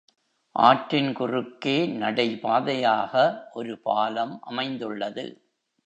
ஆற்றின் குறுக்கே நடை பாதையாக ஒரு பாலம் அமைந்துள்ளது.